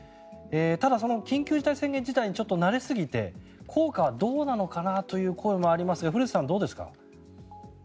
ただ、その緊急事態宣言自体にちょっと慣れすぎて効果はどうなのかなという声もありますが古瀬さん、どうですか？